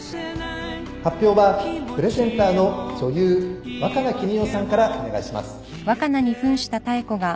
発表はプレゼンターの女優若菜絹代さんからお願いします。